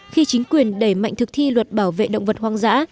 khi chính quyền đẩy mạnh thực thi luật bảo vệ động vật hoang dã